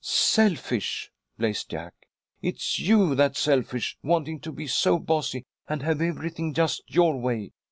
"Selfish!" blazed Jack. "It's you that's selfish, wanting to be so bossy and have everything just your way.